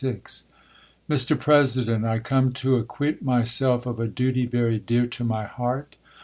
Mr. President, I COME to acquit myself of a duty very dear to my heart.